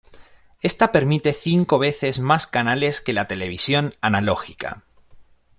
Esta permite cinco veces más canales que la televisión analógica.